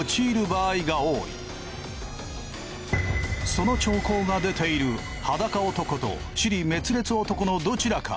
その兆候が出ている裸男と支離滅裂男のどちらか。